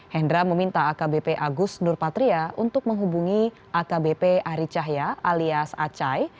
hendra meminta akbp agus nurpatria untuk menghubungi akbp ari cahya alias acai